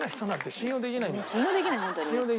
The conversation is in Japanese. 信用できない本当に。